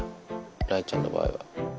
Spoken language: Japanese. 雷ちゃんの場合は。